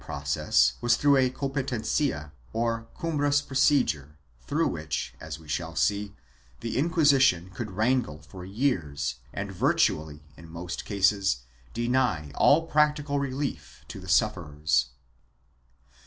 II] ASSERTION OF SUPERIORITY 357 procedure through which, as we shall see, the Inquisition could wrangle for years and virtually, in most cases, deny all practical relief to the sufferers.